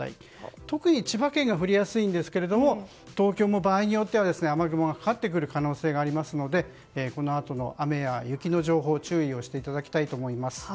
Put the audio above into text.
特に千葉県が降りやすいんですが東京も場合によっては雨雲がかかってくる可能性があるのでこのあとの雨や雪の情報に注意していただきたいと思います。